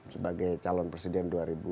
sebagai calon presiden dua ribu sembilan belas